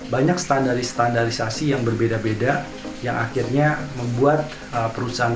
banyak standari standarisasi yang berbeda beda yang akhirnya membuat perusahaan